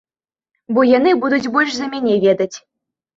Бо яны будуць больш за мяне ведаць.